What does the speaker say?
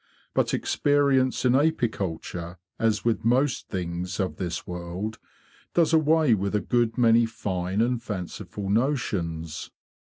But experience in apiculture, as with most things of this world, does away with a good many fine and fanciful notions.